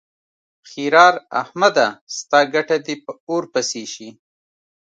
ښېرار: احمده! ستا ګټه دې په اور پسې شي.